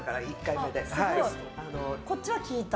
こっちは聞いた？